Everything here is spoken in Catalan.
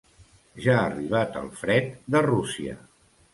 Ja ha arribat el fred de Rússia.